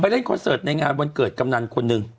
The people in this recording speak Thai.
ไปเล่นขอนเซอร์ทในงานวันเกิดกรรมนันคนหนึ่ง